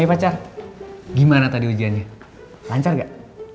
oke pacar gimana tadi ujiannya lancar gak